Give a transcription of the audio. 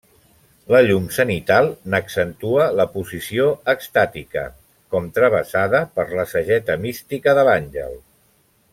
La llum zenital n'accentua la posició extàtica, com travessada per la sageta mística de l'àngel.